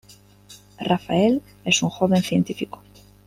Rafael es un joven científico.